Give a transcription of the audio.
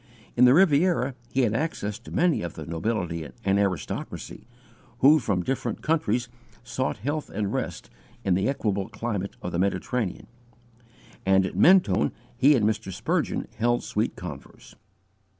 In the Riviera, he had access to many of the nobility and aristocracy, who from different countries sought health and rest in the equable climate of the Mediterranean, and at Mentone he and Mr. Spurgeon held sweet converse.